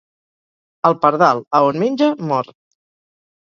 El pardal, a on menja, mor.